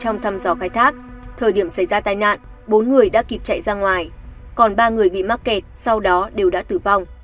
trong thăm dò khai thác thời điểm xảy ra tai nạn bốn người đã kịp chạy ra ngoài còn ba người bị mắc kẹt sau đó đều đã tử vong